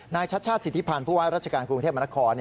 นายชัชชาสิทธิพลผู้ว่ารัชการกรุงเทพมนาคอร์